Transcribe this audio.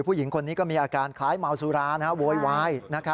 ผู้หญิงคนนี้ก็มีอาการคล้ายเมาสุราโวยวาย